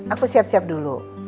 aku siap siap dulu